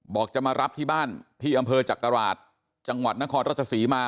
จะมารับที่บ้านที่อำเภอจักราชจังหวัดนครราชศรีมา